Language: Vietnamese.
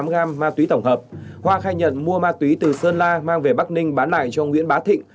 tám gram ma túy tổng hợp hoa khai nhận mua ma túy từ sơn la mang về bắc ninh bán lại cho nguyễn bá thịnh